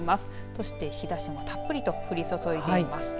そして日ざしもたっぷりとふりそそいでいます。